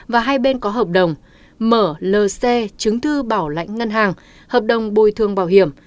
và hai bên có hợp đồng mlc chứng thư bảo lãnh ngân hàng hợp đồng bồi thương bảo hiểm